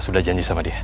sudah janji sama dia